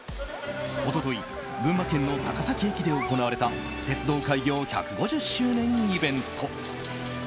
一昨日群馬県の高崎駅で行われた鉄道開業１５０周年イベント。